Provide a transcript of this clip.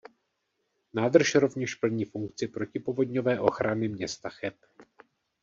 Nádrž rovněž plní funkci protipovodňové ochrany města Cheb.